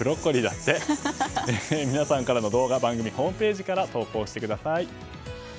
皆さんからの動画番組ホームページから投稿してください。